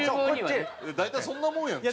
大体そんなもんやん。